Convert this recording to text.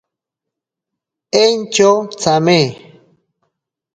Entyo tsame.